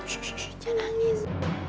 shh jangan nangis